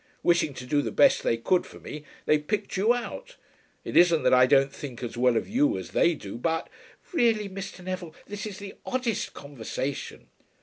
Wishing to do the best they could for me, they picked you out. It isn't that I don't think as well of you as they do, but " "Really, Mr. Neville, this is the oddest conversation."